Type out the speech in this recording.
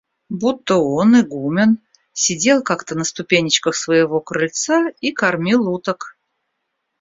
Будто он, игумен, сидел как-то на ступенечках своего крыльца и кормил уток.